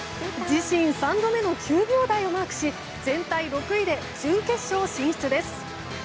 自身３度目の９秒台をマークし全体６位で準決勝進出です。